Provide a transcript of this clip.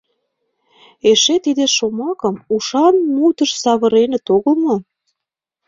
Эше тиде шомакым ушан мутыш савыреныт огыл мо?